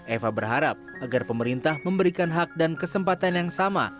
eva berharap agar pemerintah memberikan hak dan kesempatan yang sama